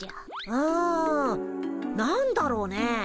うん何だろうね？